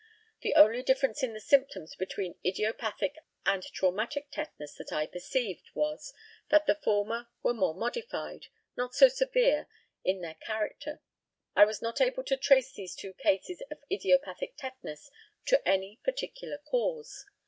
The only difference in the symptoms between idiopathic and traumatic tetanus that I perceived was, that the former were more modified not so severe in their character. I was not able to trace these two cases of idiopathic tetanus to any particular cause.